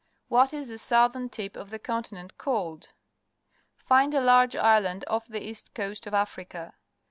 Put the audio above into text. What is the southern tip of the continent called? Find a large island off the east coast of .Africa.